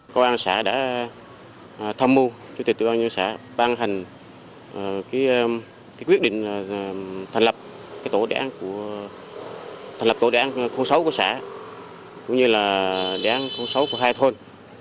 công an xã đã đặt đề án khu sáu của xã cũng như là đề án khu sáu của hai thôn